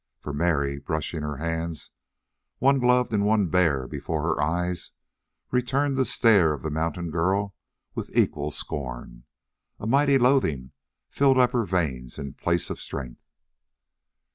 For Mary, brushing her hands, one gloved and one bare, before her eyes, returned the stare of the mountain girl with equal scorn. A mighty loathing filled up her veins in place of strength.